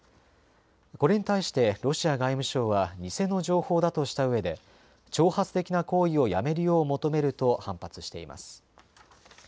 これに対してロシア外務省は偽の情報だとしたうえで挑発的な行為をやめるよう求めると反発しています。